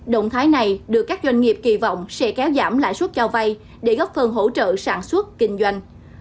động thái này được các doanh nghiệp kỳ vọng sẽ kéo giảm lãi suất cho vay để góp phần hỗ trợ sản xuất kinh doanh